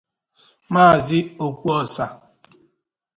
Maazị Okwuosa